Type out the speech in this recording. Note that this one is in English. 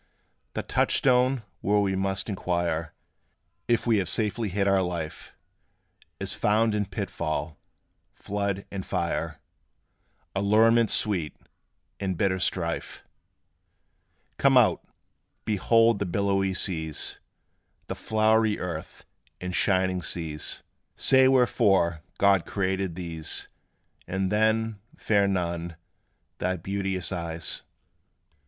The touchstone, where we must inquire If we have safely hid our life, Is found in pitfall, flood, and fire, Allurements sweet, and bitter strife. Come out! behold the billowy seas, The flowery earth, and shining skies: Say wherefore God created these; And then, fair Nun, thy beauteous eyes.